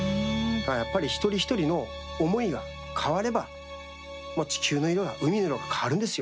やっぱり一人一人の思いが変われば、地球の色が海の色が変わるんですよ。